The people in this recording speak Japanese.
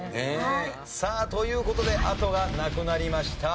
さあという事であとがなくなりました。